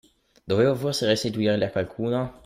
Dovevo forse restituirli a qualcuno?